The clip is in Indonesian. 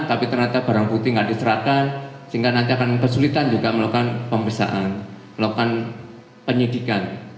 tapi ternyata barang putih nggak diserahkan sehingga nanti akan kesulitan juga melakukan pemeriksaan melakukan penyidikan